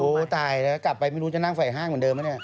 โอ้โหตายแล้วกลับไปไม่รู้จะนั่งไฟห้างเหมือนเดิมปะเนี่ย